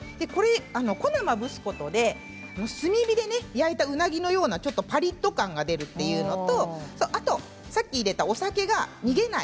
粉をまぶすことで炭火で焼いた、うなぎのようなちょっとパリっと感が出るというのとあとさっき入れたお酒が逃げない。